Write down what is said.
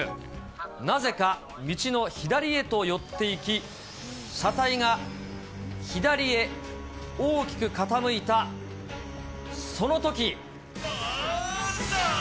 なぜか道の左へと寄っていき、車体が左へ大きく傾いたそのとき。